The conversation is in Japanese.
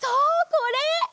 これ！